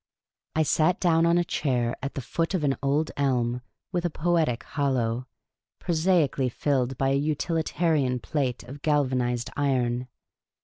I sat down on a chair at the foot of an old elm with a poetic hollow, prosaically filled by a utilitarian plate of galvanised iron.